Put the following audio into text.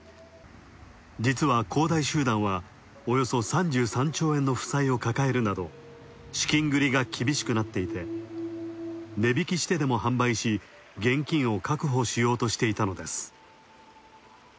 実は恒大集団はおよそ３３兆円の負債を抱えるなど資金繰りが厳しくなっていて、値引きしてでも販売し、現金を確保しようとしていたのです。